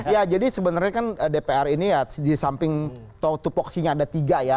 ya jadi sebenarnya kan dpr ini ya di samping topoksinya ada tiga ya